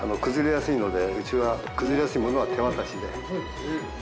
崩れやすいのでうちは崩れやすいものは手渡しで。